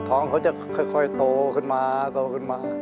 เขาจะค่อยโตขึ้นมาโตขึ้นมา